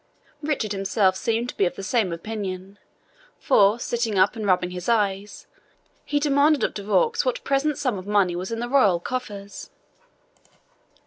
Richard himself seemed to be of the same opinion, for, sitting up and rubbing his eyes, he demanded of De Vaux what present sum of money was in the royal coffers.